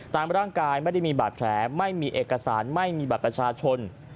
ตามร่างกายไม่ได้มีบาดแผลไม่มีเอกสารไม่มีบัตรประชาชน